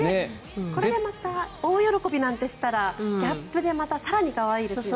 これがまた大喜びしたらギャップでまた可愛いですね。